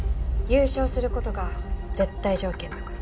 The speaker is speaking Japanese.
優勝する事が絶対条件だから。